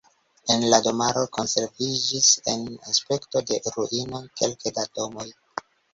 El la domaro konserviĝis en aspekto de ruinoj kelke da domoj.